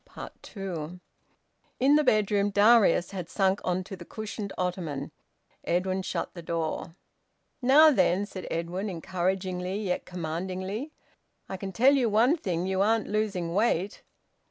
TWO. In the bedroom, Darius had sunk on to the cushioned ottoman. Edwin shut the door. "Now then!" said Edwin encouragingly, yet commandingly. "I can tell you one thing you aren't losing weight."